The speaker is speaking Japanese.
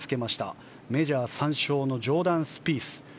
メジャー３勝ジョーダン・スピース。